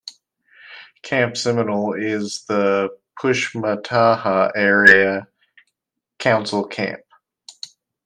Camp Seminole is the Pushmataha Area Council camp.